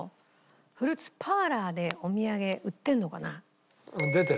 フルーツパーラーでお土産売ってるのかな？